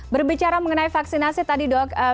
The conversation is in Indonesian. berbicara mengenai vaksinasi tadi dok